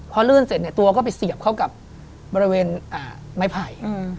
พอลื่นเสร็จเนี่ยตัวก็ไปเสียบเข้ากับบริเวณไม้ไผ่